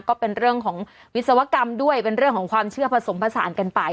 ก็เป็นเรื่องของวิศวกรรมด้วยเป็นเรื่องของความเชื่อผสมผสานกันไป